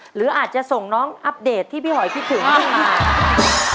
หรืออาจจะส่งน้องอัปเดตที่พี่หอยคิดถึงเข้ามา